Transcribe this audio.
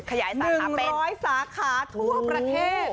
ขยายสาขาไป๑๐๐สาขาทั่วประเทศ